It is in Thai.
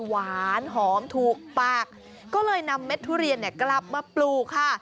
หวานหอมถูกปากก็เลยนำเม็ดทุเรียนเนี่ยกลับมาปลูกค่ะ